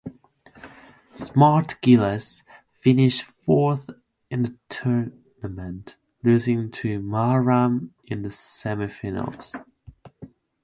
Smart Gilas finished fourth in the tournament, losing to Mahram in the semifinals.